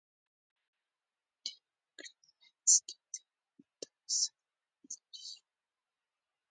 ډېری وګړي منځ کې دي او متوسط عاید لري.